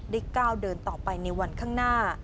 ก้าวเดินต่อไปในวันข้างหน้า